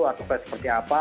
atau seperti apa